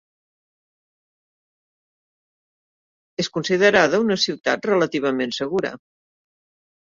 És considerada una ciutat relativament segura.